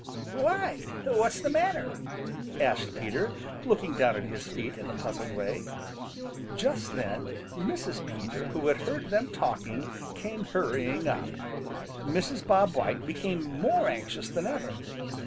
"Why? What's the matter?" asked Peter, looking down at his feet in a puzzled way. Just then Mrs. Peter, who had heard them talking, came hurrying up. Mrs. Bob White became more anxious than ever.